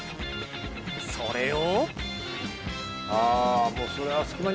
それを。